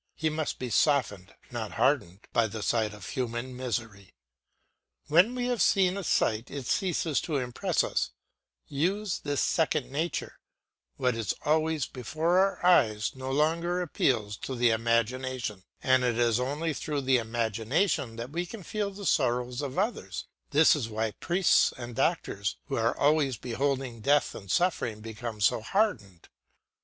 He must be softened, not hardened, by the sight of human misery. When we have seen a sight it ceases to impress us, use is second nature, what is always before our eyes no longer appeals to the imagination, and it is only through the imagination that we can feel the sorrows of others; this is why priests and doctors who are always beholding death and suffering become so hardened.